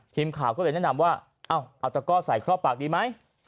ทีมข่าวก็เลยแนะนำว่าเอาตะก้อใส่ครอบปากดีไหม